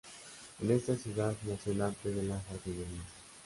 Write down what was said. En esta ciudad nació el arte de la jardinería.